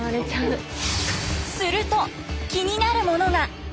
すると気になるものが。